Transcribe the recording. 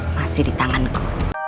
masih di tanganku